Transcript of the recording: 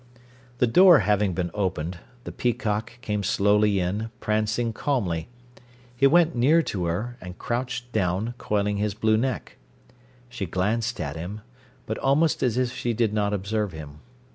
The door having been opened, the peacock came slowly in, prancing calmly. He went near to her, and crouched down, coiling his blue neck. She glanced at him, but almost as if she did not observe him.